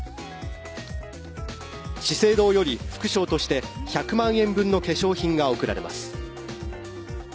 資生堂より副賞として１００万円分の化粧品が贈られます。